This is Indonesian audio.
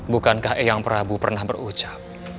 bukankah eyang prabu pernah berucap